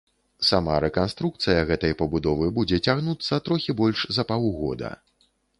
Сама рэканструкцыя гэтай пабудовы будзе цягнуцца трохі больш за паўгода.